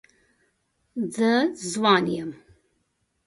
زه ځوان یم.